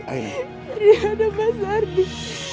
ayah ada mas ardi